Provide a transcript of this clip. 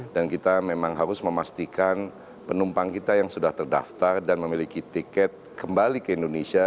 dan kita memang harus memastikan penumpang kita yang sudah terdaftar dan memiliki tiket kembali ke indonesia